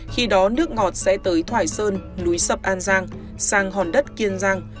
khi đó nước ngọt sẽ tới thoại sơn núi sập an giang sang hòn đất kiên giang